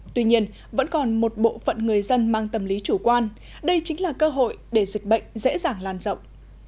tuy nhiên vẫn còn một bộ phận người dân mang tầm lý chủ quan đây chính là cơ hội để dịch bệnh dễ dàng lan rộng